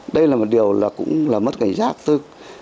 đây là một điều cũng là mất cảnh giác